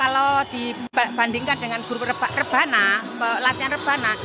kalau dibandingkan dengan guru rebana latihan rebana